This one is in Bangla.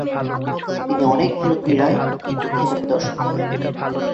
তিনি অনেকগুলো ক্রীড়ায় দক্ষতা প্রদর্শন করেন।